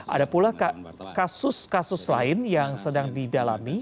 ada pula kasus kasus lain yang sedang didalami